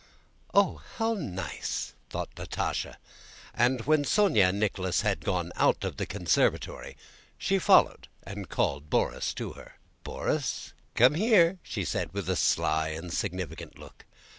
"Oh, how nice," thought Natásha; and when Sónya and Nicholas had gone out of the conservatory she followed and called Borís to her. "Borís, come here," said she with a sly and significant look.